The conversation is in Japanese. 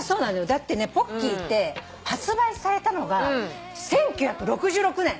だってねポッキーって発売されたのが１９６６年。